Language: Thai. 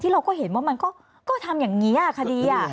เราก็เห็นว่ามันก็ทำอย่างนี้คดี